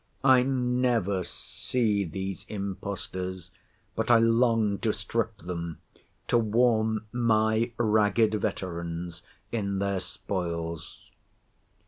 I never see these impostors, but I long to strip them, to warm my ragged veterans in their spoils.